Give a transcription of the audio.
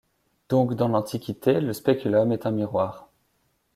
Donc dans l'Antiquité, le speculum est un miroir.